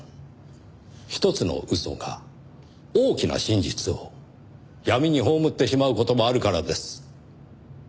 一つの嘘が大きな真実を闇に葬ってしまう事もあるからです。